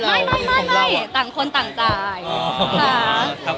ไม่ค่ะพี่เรียมจะต้องจ่ายให้